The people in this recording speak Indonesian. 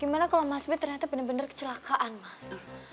gimana kalau mas b ternyata benar benar kecelakaan mas